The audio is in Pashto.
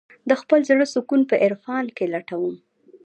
د خپل زړه سکون په عرفان کې لټوم.